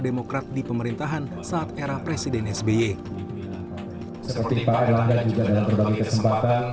demokrat di pemerintahan saat era presiden sby seperti pak erlangga juga dalam berbagai kesempatan